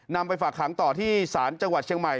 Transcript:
ไปฝากหางต่อที่ศาลจังหวัดเชียงใหม่